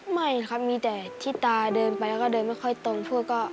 ไม่ครับมีแต่ที่ตาเดินไปแล้วก็เดินไม่ค่อยตรงพวกก็